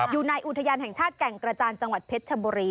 อยู่ในอุทยานแห่งชาติแก่งกระจานจังหวัดเพชรชบุรี